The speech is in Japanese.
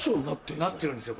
なってるんですよこれ。